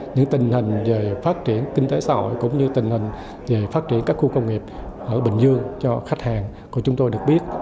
những tình hình về phát triển kinh tế xã hội cũng như tình hình về phát triển các khu công nghiệp ở bình dương cho khách hàng của chúng tôi được biết